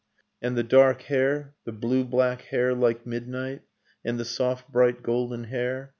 And the dark hair, the blue black hair like midnight, And the soft bright golden hair.